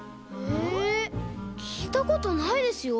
えきいたことないですよ。